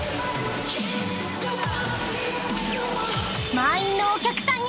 ［満員のお客さんに］